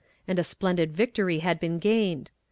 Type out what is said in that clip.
and a splendid victory had been gained.